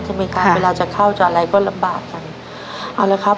ทำไมเวลาจะเข้ากับอะไรก็ลำบากครับ